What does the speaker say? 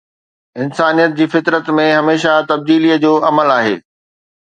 انسانيت جي فطرت ۾ هميشه تبديلي جو عمل آهي